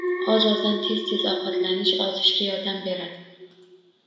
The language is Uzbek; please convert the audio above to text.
Oz-ozdan tez-tez ovqatlanish ozishga yordam beradi.